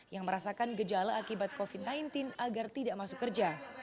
yang merasakan gejala akibat covid sembilan belas agar tidak masuk kerja